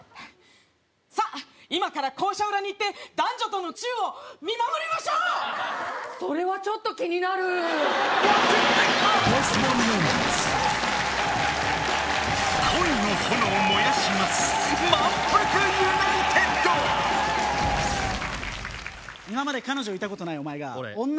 さあ今から校舎裏に行って男女とのチュウを見守りましょうそれはちょっと気になる今まで彼女いたことないお前が俺？